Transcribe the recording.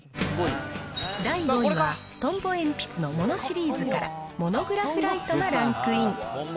第５位はトンボ鉛筆のＭＯＮＯシリーズから、モノグラフライトがランクイン。